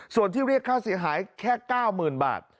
ส่วนที่เรียกค่าเสียหายแค่๙๐๐๐บาท